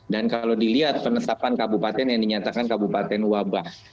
dan kalau dilihat penetapan kabupaten yang dinyatakan kabupaten wabah